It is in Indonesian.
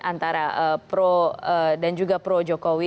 antara pro dan juga pro jokowi